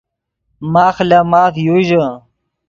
ماخ لے ماف یو ژے